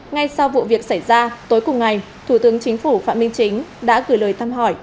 ngay sau vụ việc xảy ra tối cùng ngày thủ tướng chính phủ phạm minh chính đã gửi lời thăm hỏi